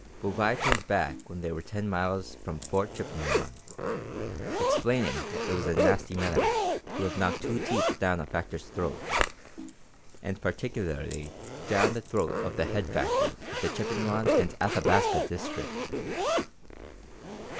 Bouvais turned back when they were ten miles from Fort Chippewyan, explaining that it was a nasty matter to have knocked two teeth down a factor's throat, and particularly down the throat of the head factor of the Chippewyan and Athabasca district.